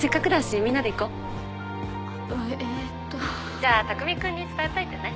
☎じゃあ匠君に伝えといてね。